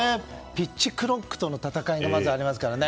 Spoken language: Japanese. ピッチクロックとの戦いがまずありますからね。